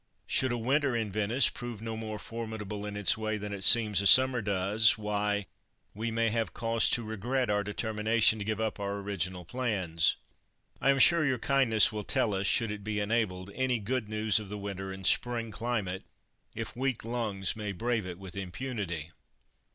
Should a winter in Venice prove no more formidable in its way than it seems a summer does, why, we may have cause to regret our determination to give up our original plans. I am sure your kindness will tell us, should it be enabled, any good news of the winter and spring climate if weak lungs may brave it with impunity."....